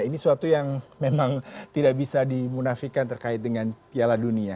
ini suatu yang memang tidak bisa dimunafikan terkait dengan piala dunia